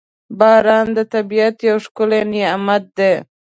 • باران د طبیعت یو ښکلی نعمت دی.